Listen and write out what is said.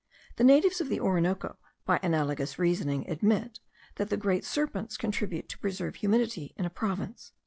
The natives of the Orinoco, by analogous reasoning, admit, that the great serpents contribute to preserve humidity in a province.